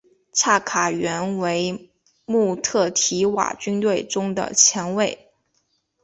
恰卡原为穆特提瓦军队中的前卫。